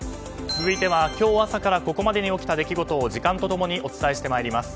続いては今日朝からここまでに起きた出来事を時間と共にお伝えしてまいります。